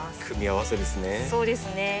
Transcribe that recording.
組み合わせですね。